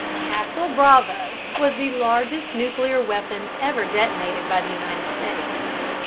"Castle/Bravo" was the largest nuclear weapon ever detonated by the United States.